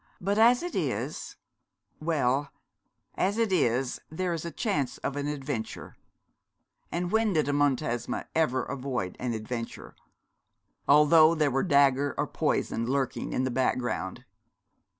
But as it is well as it is there is the chance of an adventure; and when did a Montesma ever avoid an adventure, although there were dagger or poison lurking in the background?